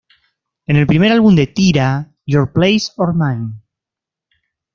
El primer álbum de Tira, "Your Place or Mine?